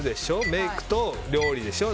メイクと料理でしょ。